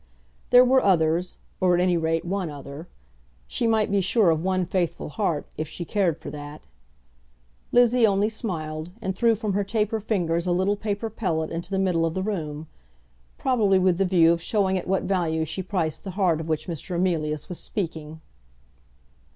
There were others; or, at any rate, one other. She might be sure of one faithful heart, if she cared for that. Lizzie only smiled, and threw from her taper fingers a little paper pellet into the middle of the room, probably with the view of showing at what value she priced the heart of which Mr. Emilius was speaking.